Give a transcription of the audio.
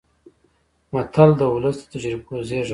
متل د ولس د تجربو زېږنده ده